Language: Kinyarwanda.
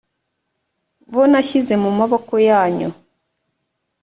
bo nashyize mu maboko yanyu